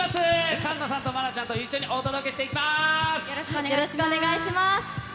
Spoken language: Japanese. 菅野さんと愛菜ちゃんと一緒にお届けしていきます。